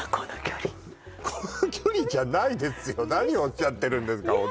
この距離じゃないですよ何をおっしゃってるんですかいやー